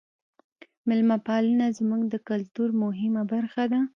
میلمه پالنه زموږ د کلتور مهمه برخه ده.